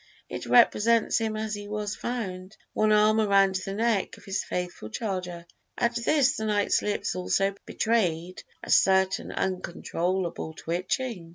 It represents him as he was found, one arm around the neck of his faithful charger" (at this the knight's lips also betrayed a certain uncontrollable twitching).